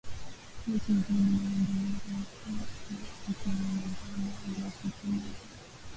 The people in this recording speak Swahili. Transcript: Mechi dhidi ya Uingereza ilikuwa na mkwaruzano uliopitiliza